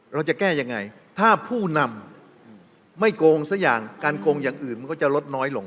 เราจะแก้ยังไงถ้าผู้นำไม่โกงสักอย่างการโกงอย่างอื่นมันก็จะลดน้อยลง